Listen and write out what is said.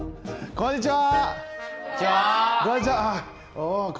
こんにちは！